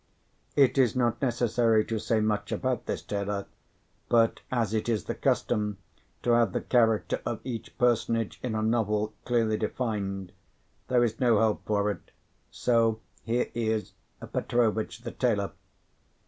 It is not necessary to say much about this tailor; but, as it is the custom to have the character of each personage in a novel clearly defined, there is no help for it, so here is Petrovitch the tailor.